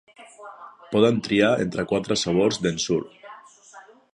Poden triar entre quatre sabors d'Ensure.